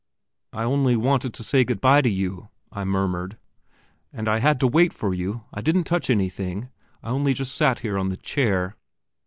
"I only wanted to say good bye to you," I murmured; "and I had to wait for you. I didn't touch anything; I only just sat here on the chair...."